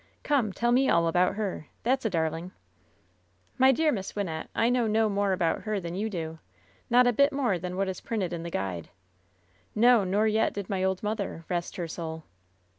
Come, tell me all about her. That's a darling." "My dear Miss Wynnette, I know no more about her than you do. Not a bit more than what is printed in the guide. No, nor yet did my old mother, rest her soul."